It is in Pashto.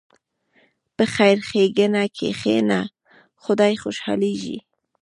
په خیر ښېګڼه کښېنه، خدای خوشحالېږي.